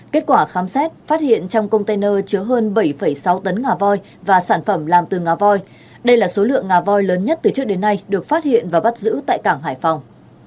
kết quả khám xét phát hiện trong container chứa hơn bảy sáu tấn ngà voi và sản phẩm làm từ ngà voi đây là số lượng ngà voi lớn nhất từ trước đến nay được phát hiện và bắt giữ tại cảng hải phòng